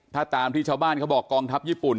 ถ้าตามที่ชาวบ้านเขาบอกกองทัพญี่ปุ่น